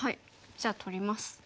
じゃあ取ります。